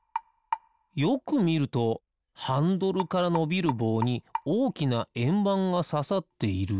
よくみるとハンドルからのびるぼうにおおきなえんばんがささっている。